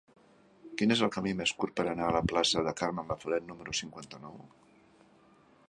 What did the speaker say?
Quin és el camí més curt per anar a la plaça de Carmen Laforet número cinquanta-nou?